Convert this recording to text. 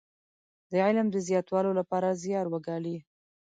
د علم د زياتولو لپاره زيار وګالي.